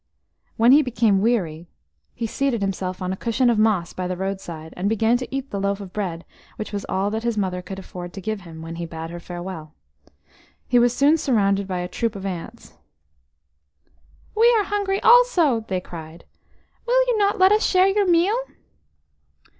When he became weary, he seated himself on a cushion of moss by the roadside, and began to eat the loaf of bread which was all that his mother could afford to give him when he bade her farewell. He was soon surrounded by a troop of ants. "We are hungry also," they cried. "Will you not let us share your meal?"